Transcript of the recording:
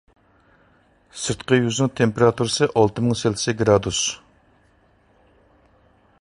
سىرتقى يۈزنىڭ تېمپېراتۇرىسى ئالتە مىڭ سېلسىيە گرادۇس.